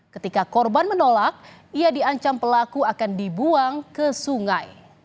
ketika korban menolak ia diancam pelaku akan dibuang ke sungai